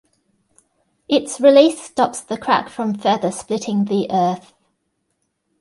Its release stops the crack from further splitting the Earth.